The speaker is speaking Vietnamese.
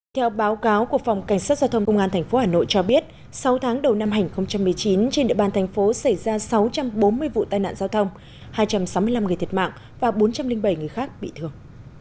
theo báo cáo của phòng cảnh sát giao thông công an tp hà nội cho biết sáu tháng đầu năm hai nghìn một mươi chín trên địa bàn thành phố xảy ra sáu trăm bốn mươi vụ tai nạn giao thông hai trăm sáu mươi năm người thiệt mạng và bốn trăm linh bảy người khác bị thương